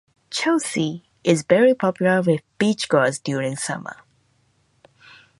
Chelsea is very popular with beachgoers during summer.